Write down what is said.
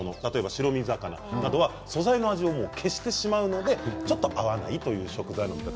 白身魚などは素材の味を消してしまうのでちょっと合わないということもあります。